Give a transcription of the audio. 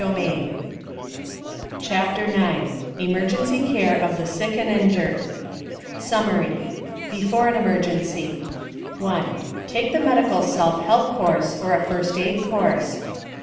CHAPTER 9 EMERGENCY CARE OF THE SICK AND INJURED SUMMARY BEFORE AN EMERGENCY 1. Take the Medical Self Help course, or a First Aid course.